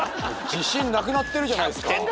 自信なくなってるじゃないっすか。